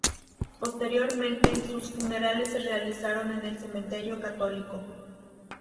Posteriormente, sus funerales se realizaron en el Cementerio Católico.